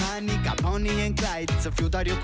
เห็นแล้วอยากป่วยเลย